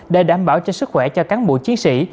để đảm bảo cho sức khỏe cho cán bộ chiến sĩ